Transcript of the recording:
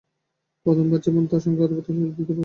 প্রথম বার যেমন তার সঙ্গে কথাবার্তা হয়েছিল, দ্বিতীয় বারও হল?